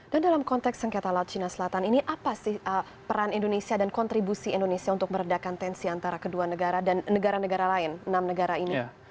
dan dalam konteks sengketa laut china selatan ini apa sih peran indonesia dan kontribusi indonesia untuk meredakan tensi antara kedua negara dan negara negara lain enam negara ini